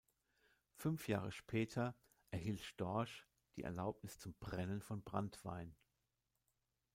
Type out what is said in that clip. Fünf Jahre später erhielt Storch die Erlaubnis zum Brennen von Branntwein.